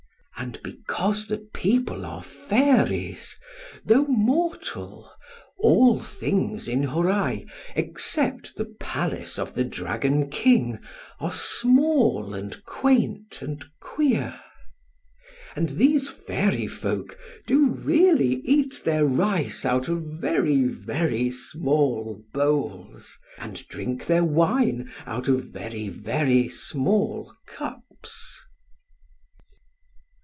And because the people are fairies—though mortal—all things in Hōrai, except the Palace of the Dragon King, are small and quaint and queer;—and these fairy folk do really eat their rice out of very, very small bowls, and drink their wine out of very, very small cups....